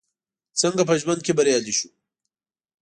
څنګه په ژوند کې بريالي شو ؟